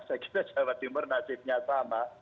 saya kira jawa timur nasibnya sama